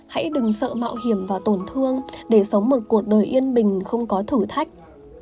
hãy đừng sợ mạo hiểm và tổn thương để sống một cuộc đời yên bình không có thử thách